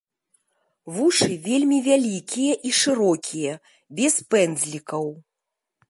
Вушы вельмі вялікія і шырокія, без пэндзлікаў.